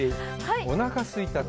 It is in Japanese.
おなかすいたって。